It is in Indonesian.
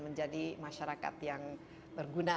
menjadi masyarakat yang berguna